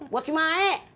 buat si mae